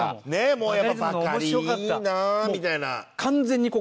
もうやっぱバカリいいなみたいな。